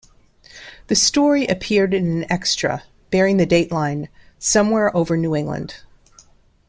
The story appeared in an extra bearing the dateline "Somewhere Over New England".